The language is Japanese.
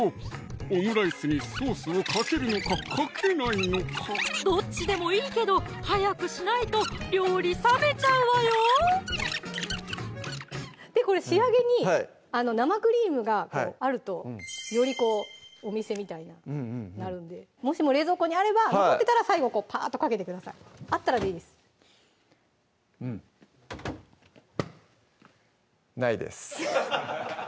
オムライスにソースをかけるのかかけないのかどっちでもいいけど早くしないと料理冷めちゃうわよでこれ仕上げに生クリームがあるとよりこうお店みたいななるんでもしも冷蔵庫にあれば残ってたら最後パーッとかけてくださいあったらでいいですうんないです